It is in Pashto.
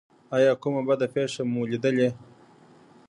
ایا کومه بده پیښه مو لیدلې؟